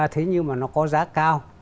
thế nhưng mà nó có giá cao